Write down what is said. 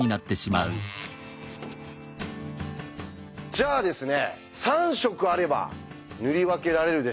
じゃあですね３色あれば塗り分けられるでしょうか？